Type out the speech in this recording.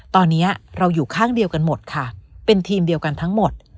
ตอนนี้เราอยู่ข้างเดียวกันหมดค่ะเป็นทีมเดียวกันทั้งหมด